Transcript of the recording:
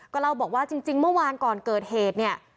เล่าบอกว่าจริงเมื่อวานก่อนเกิดเหตุเนี่ย